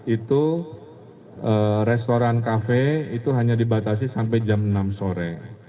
itu restoran kafe itu hanya dibatasi sampai jam enam sore